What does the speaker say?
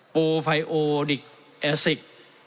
โปไฟโอลิกแอซิก